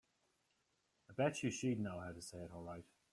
I bet you she'd know how to say it all right.